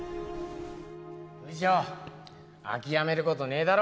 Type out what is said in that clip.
雨情諦めることねえだろ。